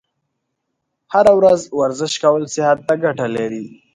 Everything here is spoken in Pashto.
هره ورځ ورزش کول صحت ته ګټه لري.